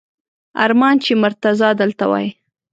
ارمان چې مرتضی دلته وای!